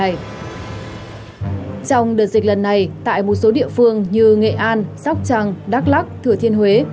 trong đợt dịch lần này tại một số địa phương như nghệ an sóc trăng đắk lắc thừa thiên huế